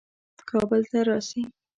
کابل ته راسي.